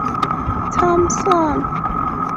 Thomson.